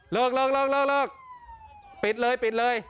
เลิกเลิกเลิกเบียบเลย